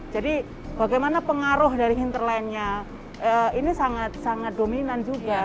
jadi bagaimana pengaruh dari hinterlandnya ini sangat dominan juga